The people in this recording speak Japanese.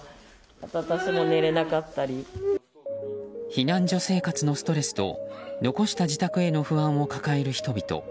避難所生活のストレスと残した自宅への不安を抱える人々。